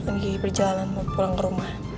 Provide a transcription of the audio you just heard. lagi berjalan mau pulang ke rumah